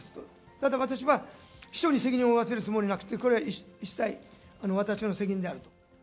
ただ私は、秘書に責任を負わせるつもりはなくて、これは一切、私の責任であると。